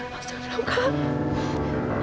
masuk dong kak